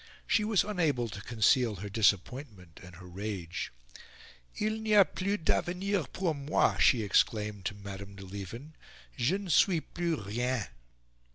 She was unable to conceal her disappointment and her rage. "Il n'y a plus d'avenir pour moi," she exclaimed to Madame de Lieven; "je ne suis plus rien."